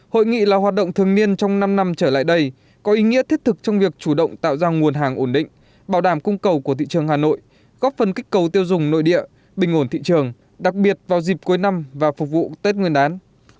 hội nghị là hoạt động thường niên trong năm năm trở lại đây có ý nghĩa thiết thực trong việc chủ động tạo ra nguồn hàng ổn định bảo đảm cung cầu của thị trường hà nội góp phần kích cầu tiêu dùng nội địa bình ổn thị trường đặc biệt vào dịp cuối năm và phục vụ tết nguyên đán